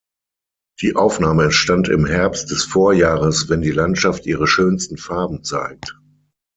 Die Aufnahme entstand im Herbst des Vorjahres, wenn die Landschaft ihre schönsten Farben zeigt.